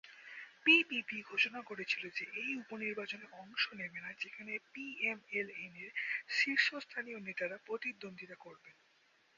PPP ঘোষণা করেছিল যে এই উপনির্বাচনে অংশ নেবে না যেখানে পিএমএল-এনের শীর্ষস্থানীয় নেতারা প্রতিদ্বন্দ্বিতা করবেন।